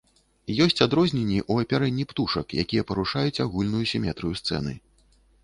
Ёсць адрозненні ў апярэнні птушак, якія парушаюць агульную сіметрыю сцэны.